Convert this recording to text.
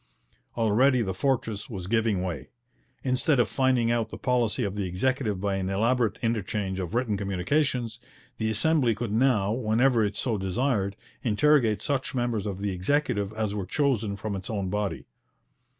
Already the fortress was giving way. Instead of finding out the policy of the Executive by an elaborate interchange of written communications, the Assembly could now, whenever it so desired, interrogate such members of the Executive as were chosen from its own body.